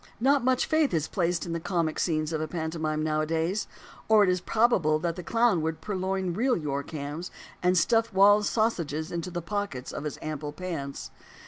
Not much faith is placed in the comic scenes of a pantomime nowadays; or it is probable that the clown would purloin real York hams, and stuff Wall's sausages into the pockets of his ample pants.